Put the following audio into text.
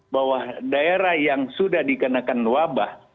bahwa daerah yang sudah dikenakan wabah